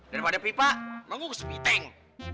daripada pipa lo kusepiteng